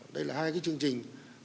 đây là hai cái chương trình